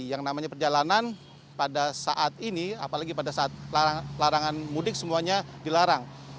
yang namanya perjalanan pada saat ini apalagi pada saat larangan mudik semuanya dilarang